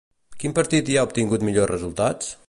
Quin partit hi ha obtingut millors resultats?